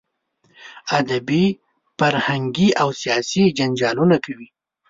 ادبي، فرهنګي او سیاسي جنجالونه کوي.